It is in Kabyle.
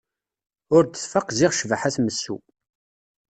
Ur d-tfaq ziɣ ccbaḥa tmessu.